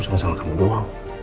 soalnya sama kamu doang